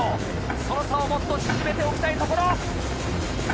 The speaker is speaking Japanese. その差をもっと縮めておきたいところ。